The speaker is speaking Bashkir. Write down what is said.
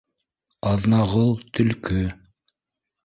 Аҙнағол — төлкө